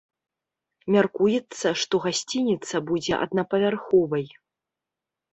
Мяркуецца, што гасцініца будзе аднапавярховай.